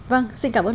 vâng xin cảm ơn